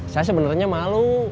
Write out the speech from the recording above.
saya sebenernya malu